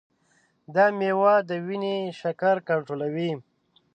دا میوه د وینې شکر کنټرولوي.